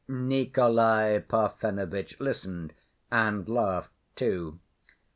Nikolay Parfenovitch listened, and laughed too.